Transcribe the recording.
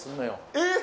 えっ！